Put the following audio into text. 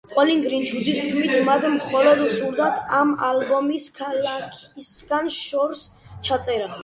კოლინ გრინვუდის თქმით, მათ მხოლოდ სურდათ ამ ალბომის ქალაქისგან შორს ჩაწერა.